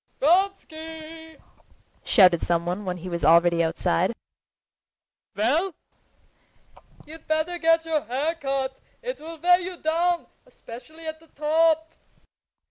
"Vronsky!" shouted someone when he was already outside. "Well?" "You'd better get your hair cut, it'll weigh you down, especially at the top."